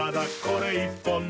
これ１本で」